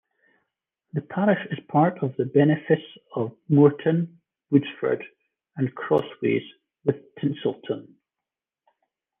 The parish is part of the Benefice of Moreton, Woodsford and Crossways with Tincleton.